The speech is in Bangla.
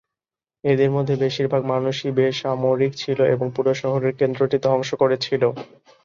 এদের মধ্যে বেশিরভাগ মানুষই বেসামরিক ছিল এবং পুরো শহরের কেন্দ্রটি ধ্বংস করেছিল।